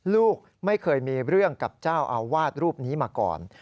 ลูกไม่เคยมีเรื่องกับเจ้าอาวาสรูปนี้มาก่อน